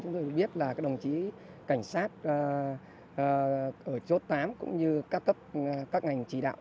chúng tôi biết là các đồng chí cảnh sát ở chốt tám cũng như các ngành chỉ đạo